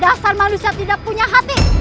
dasar manusia tidak punya hati